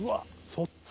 そっち？